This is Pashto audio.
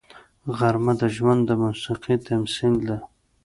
غرمه د ژوند د موسیقۍ تمثیل ده